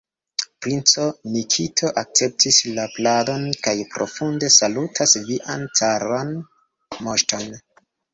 Princo Nikito akceptis la pladon kaj profunde salutas vian caran moŝton!